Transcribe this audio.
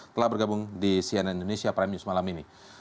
telah bergabung di cnn indonesia prime news malam ini